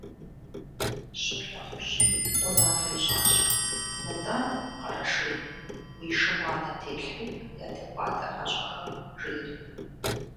Щолэхъужьым унафэ ищӀащ: «НтӀэ, Къэрэшей, уи шым уанэ телъхьи ядэкӀуатэ хьэщӀэхэм», – жери.